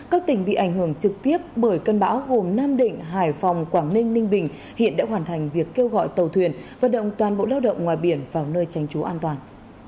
các tỉnh bị ảnh hưởng trực tiếp bởi cơn bão gồm nam định hải phòng quảng ninh ninh bình hiện đã hoàn thành việc kêu gọi tàu thuyền vận động toàn bộ lao động ngoài biển vào nơi tránh trú an toàn